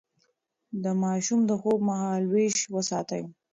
د ماشوم د خوب مهالويش وساتئ.